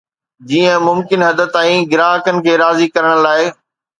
جيئن ممڪن حد تائين گراهڪن کي راضي ڪرڻ لاء